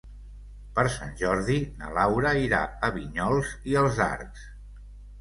Per Sant Jordi na Laura irà a Vinyols i els Arcs.